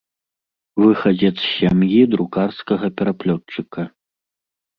Выхадзец з сям'і друкарскага пераплётчыка.